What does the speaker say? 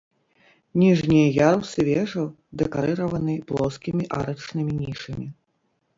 Ніжнія ярусы вежаў дэкарыраваны плоскімі арачнымі нішамі.